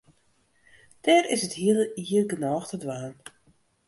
Der is it hiele jier genôch te dwaan.